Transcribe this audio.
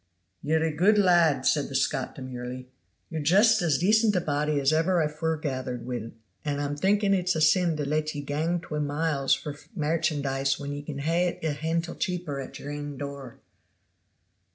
"Y're a guid lad," said the Scot demurely; "y're just as decent a body as ever I forgathered wi' and I'm thinking it's a sin to let ye gang twa miles for mairchandeeze whan ye can hae it a hantle cheaper at your ain door."